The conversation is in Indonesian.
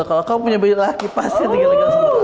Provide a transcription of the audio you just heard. kalau kamu punya baju laki pasti tegelik